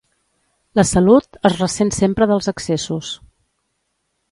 La salut es ressent sempre dels excessos.